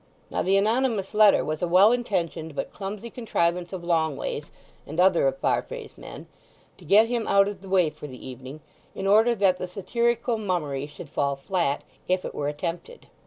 Now the anonymous letter was a well intentioned but clumsy contrivance of Longways and other of Farfrae's men to get him out of the way for the evening, in order that the satirical mummery should fall flat, if it were attempted.